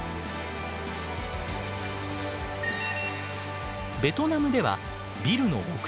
ベトナムではビルの屋上に設置。